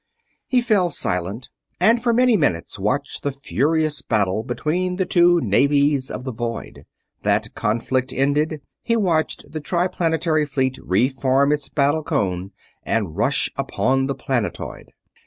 He fell silent, and for many minutes watched the furious battle between the two navies of the void. That conflict ended, he watched the Triplanetary fleet reform its battle cone and rush upon the planetoid.